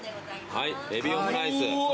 はいえびオムライス。